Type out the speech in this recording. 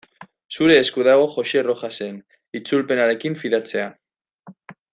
Zure esku dago Joxe Rojasen itzulpenarekin fidatzea.